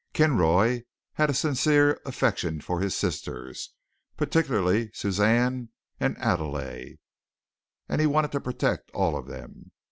Kinroy had a sincere affection for his sisters, particularly Suzanne and Adele, and he wanted to protect all of them.